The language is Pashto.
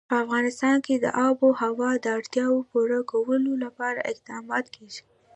په افغانستان کې د آب وهوا د اړتیاوو پوره کولو لپاره اقدامات کېږي.